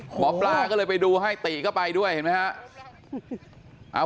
หมอปลาก็เลยไปดูให้ติก็ไปด้วยเห็นไหมฮะ